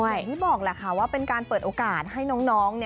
อย่างที่บอกแหละค่ะว่าเป็นการเปิดโอกาสให้น้อง